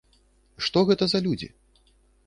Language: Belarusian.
Што гэта за людзі?